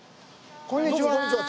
こんにちは。